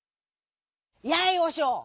「やいおしょう！